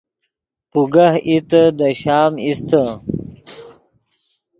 پوگہ ایتے دے شام ایستے